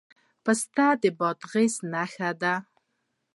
پسته د بادغیس نښه ده.